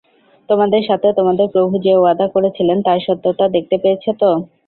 তোমাদের সাথে তোমাদের প্রভু যে ওয়াদা করেছিলেন তার সত্যতা দেখতে পেয়েছে তো?